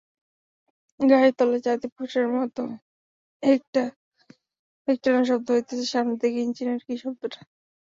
গাড়ির তলায় জাতী-পেষার মতো একটা একটানা শব্দ হইতেছে-সামনের দিকে ইঞ্জিনের কী শব্দটা!